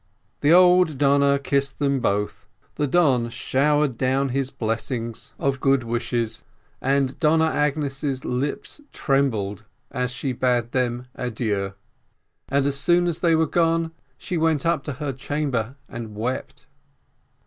The old Donna kissed them both the Don showered down his blessings of good wishes, and Donna Agnes's lips trembled as she bade them adieu; and, as soon as they were gone, she went up to her chamber and wept.